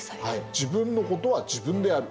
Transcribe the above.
自分のことは自分でやる。